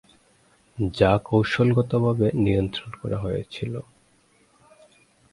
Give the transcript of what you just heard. যা কৌশলগতভাবে নিয়ন্ত্রণ করা হয়েছিল।